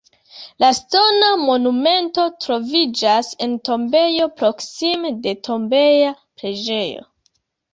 La ŝtona monumento troviĝas en tombejo proksime de tombeja preĝejo.